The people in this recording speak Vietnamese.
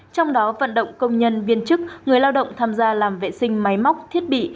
trong đó vận động công nhân viên chức người lao động tham gia làm vệ sinh máy móc thiết bị